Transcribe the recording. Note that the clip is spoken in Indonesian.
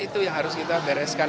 itu yang harus kita bereskan